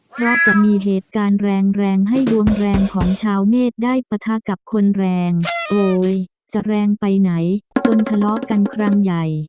เพราะจะมีเหตุการณ์แรงแรงให้ดวงแรงของชาวเนธได้ปะทะกับคนแรงโอ้ยจะแรงไปไหนจนทะเลาะกันครั้งใหญ่